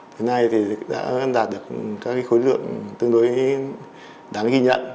đến nay thì đã đạt được các khối lượng tương đối đáng ghi nhận